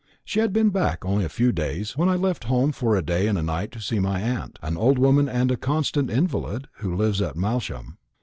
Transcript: She had been back only a few days, when I left home for a day and a night, to see my aunt an old woman and a constant invalid, who lives at Malsham.